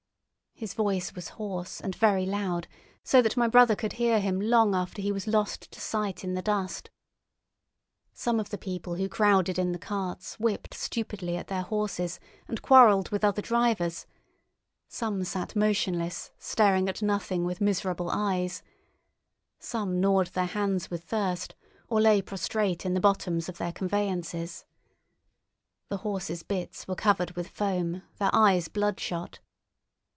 His voice was hoarse and very loud so that my brother could hear him long after he was lost to sight in the dust. Some of the people who crowded in the carts whipped stupidly at their horses and quarrelled with other drivers; some sat motionless, staring at nothing with miserable eyes; some gnawed their hands with thirst, or lay prostrate in the bottoms of their conveyances. The horses' bits were covered with foam, their eyes bloodshot.